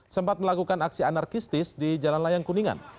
sempat melakukan aksi anarkistis di jalan layang kuningan